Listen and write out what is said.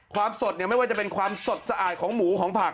ความสดเนี่ยไม่ว่าจะเป็นความสดสะอาดของหมูของผัก